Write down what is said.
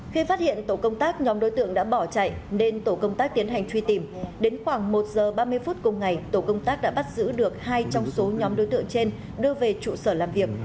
khi phát hiện tổ công tác nhóm đối tượng đã bỏ chạy nên tổ công tác tiến hành truy tìm đến khoảng một giờ ba mươi phút cùng ngày tổ công tác đã bắt giữ được hai trong số nhóm đối tượng trên đưa về trụ sở làm việc